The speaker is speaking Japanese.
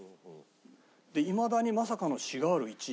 いまだにまさかのシガール１位。